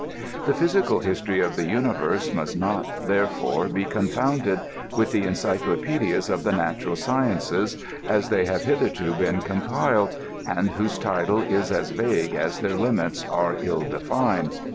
The physical history of the universe must not, therefore, be confounded with the ETicydopedias of the NatwraX Sciences, as they have hitherto been compiled, and whose title is as vague as their limits are ill defined.